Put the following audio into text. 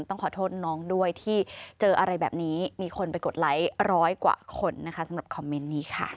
ต้องขอโทษน้องด้วยที่เจออะไรแบบนี้มีคนไปกดไลค์ร้อยกว่าคนนะคะสำหรับคอมเมนต์นี้ค่ะ